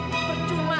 kamu udah gila ya